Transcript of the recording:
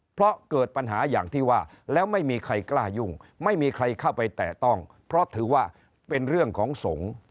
เพราะเกิดปัญหาอย่างที่ว่าแล้วไม่มีใครกล้ายุ่งไม่มีใครเข้าไปแตะต้องเพราะถือว่าเป็นเรื่องของสงฆ์